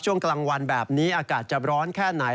ช่วงกลางวันแบบนี้อากาศจะร้อนแค่ไหน